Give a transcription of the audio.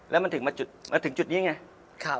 แล้วมันถึงจุดนี้ไง